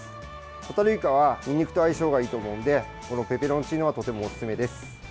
ホタルイカはにんにくと相性がいいと思うのでペペロンチーノはとてもおすすめです。